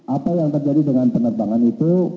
apa yang terjadi dengan penerbangan itu